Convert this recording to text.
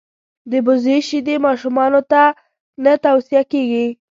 دبزې شیدي ماشومانوته نه تو صیه کیږي.